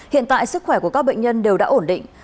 hiện tại sức khỏe của các bệnh nhân đều đã ổn định